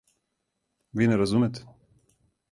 Ви не разумете?